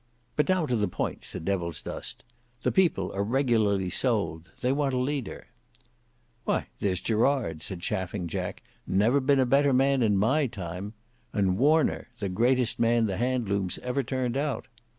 "But now to the point," said Devilsdust. "The people are regularly sold; they want a leader." "Why there's Gerard," said Chaffing Jack; "never been a better man in my time. And Warner—the greatest man the Handlooms ever turned out."